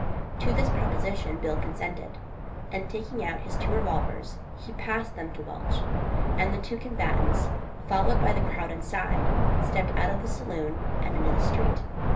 To this proposition Bill consented, and taking out his two revolvers he passed them to Welch, and the two combatants, followed by the crowd inside, stepped out of the saloon and into the street.